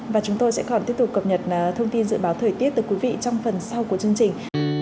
và chúng tôi sẽ còn tiếp tục cập nhật thông tin dự báo thời tiết từ quý vị trong phần sau của chương trình